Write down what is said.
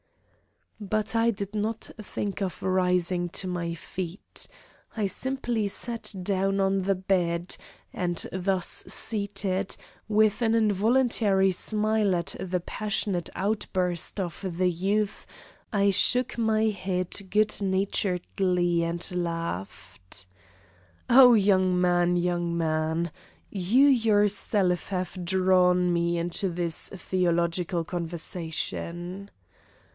But I did not think of rising to my feet. I simply sat down on the bed, and, thus seated, with an involuntary smile at the passionate outburst of the youth, I shook my head good naturedly and laughed. "Oh, young man, young man! You yourself have drawn me into this theological conversation."